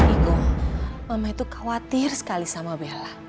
ibu mama itu khawatir sekali sama bella